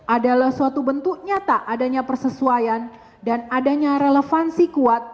adalah suatu bentuk nyata adanya persesuaian dan adanya relevansi kuat